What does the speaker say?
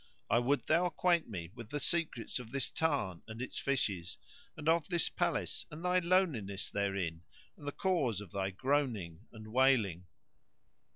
I would thou acquaint me with the secrets of this tarn and its fishes and of this palace and thy loneliness therein and the cause of thy groaning and wailing."